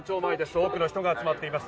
多くの人が集まっています。